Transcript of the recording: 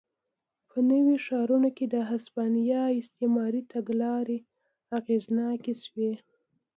په نویو ښارونو کې د هسپانیا استعماري تګلارې اغېزناکې شوې.